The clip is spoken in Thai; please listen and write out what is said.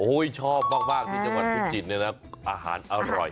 ชอบมากที่จังหวัดพิจิตรเนี่ยนะอาหารอร่อย